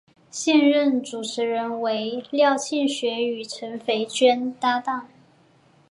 现任主持人为廖庆学与陈斐娟搭档。